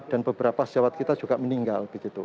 dan beberapa sejawat kita juga meninggal begitu